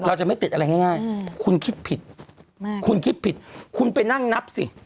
เราจะไม่ติดอะไรง่ายคุณคิดผิดคุณคิดผิดคุณไปนั่งนับสิ